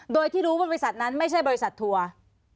โดยที่รู้ว่าบริษัทนั้นไม่ใช่บริษัททัวร์